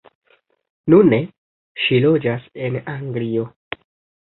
Nune ŝi loĝas en Anglio.